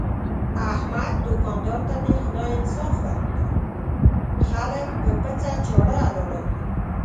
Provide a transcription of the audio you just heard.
احمد دوکاندار ته دې خدای انصاف ورکړي، خلک په پڅه چاړه حلالوي.